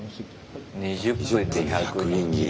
２０分で１００人斬り。